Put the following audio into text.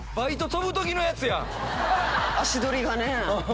足取りがね。